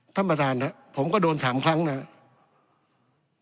ธรรมดานะครับผมก็โดน๓ครั้งนะครับ